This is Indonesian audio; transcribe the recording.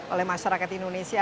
oleh masyarakat indonesia